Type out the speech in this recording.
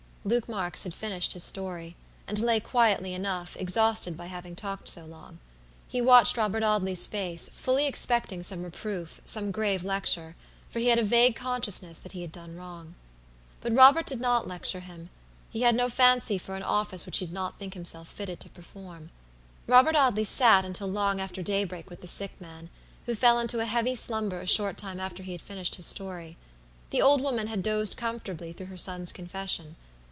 Luke Marks had finished his story, and lay quietly enough, exhausted by having talked so long. He watched Robert Audley's face, fully expecting some reproof, some grave lecture; for he had a vague consciousness that he had done wrong. But Robert did not lecture him; he had no fancy for an office which he did not think himself fitted to perform. Robert Audley sat until long after daybreak with the sick man, who fell into a heavy slumber a short time after he had finished his story. The old woman had dozed comfortably throughout her son's confession.